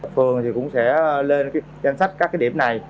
phường thì cũng sẽ lên danh sách các cái điểm này